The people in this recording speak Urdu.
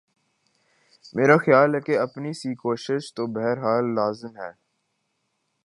میرا خیال ہے کہ اپنی سی کوشش تو بہر حال لازم ہے۔